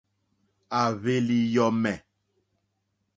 À hwèlì yɔ̀mɛ̀.